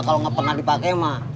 kalau gak pernah dipake mah